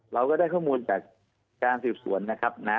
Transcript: เราก็ได้ข้อมูลจากการสืบสวนนะครับนะ